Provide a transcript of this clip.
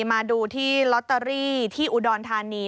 มาดูที่ลอตเตอรี่ที่อุดรธานี